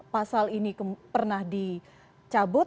pasal ini pernah dicabut